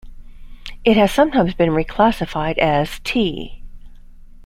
It has sometimes been reclassified as T.